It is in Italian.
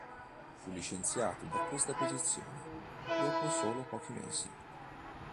Fu licenziato da questa posizione dopo solo pochi mesi.